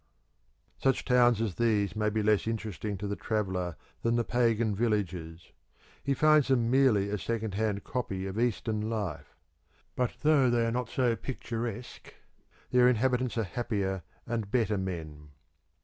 Such towns as these may be less interesting to the traveller than the pagan villages he finds them merely a second hand copy of Eastern life. But though they are not so picturesque, their inhabitants are happier and better men.